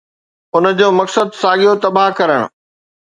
ان جو مقصد ساڳيو تباهه ڪرڻ.